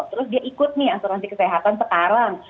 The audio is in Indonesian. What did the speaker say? terus dia ikut nih asuransi kesehatan sekarang